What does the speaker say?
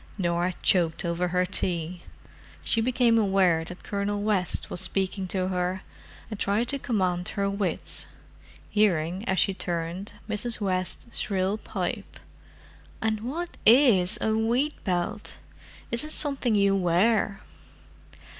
Norah choked over her tea. She became aware that Colonel West was speaking to her, and tried to command her wits—hearing, as she turned, Mrs. West's shrill pipe—"And what is a wheat belt? Is it something you wear?"